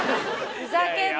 ふざけんなよ！